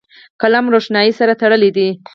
قلم له روښنايي سره تړلی دی